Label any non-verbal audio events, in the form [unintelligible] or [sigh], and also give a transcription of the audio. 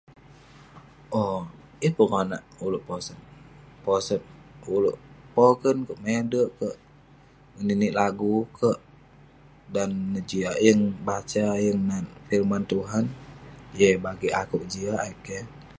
Owk, yeng pun konak ulouk posot. Posot [unintelligible] pogen kek, mederk kek, ngeninik lagu kek, dan neh jiak, yeng baca yeng nat firman Tuhan. Yeng eh bagik akouk jiak eh keh.